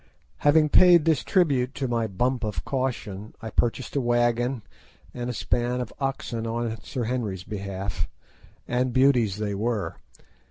Having paid this tribute to my bump of caution, I purchased a wagon and a span of oxen on Sir Henry's behalf, and beauties they were.